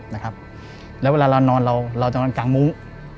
นะครับแล้วเวลาเรานอนเราเราจะนอนกลางมุ้ง